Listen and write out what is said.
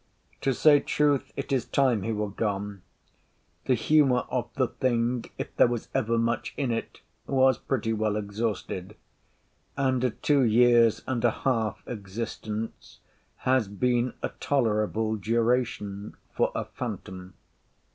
To say truth, it is time he were gone. The humour of the thing, if there was ever much in it, was pretty well exhausted; and a two years' and a half existence has been a tolerable duration for a phantom.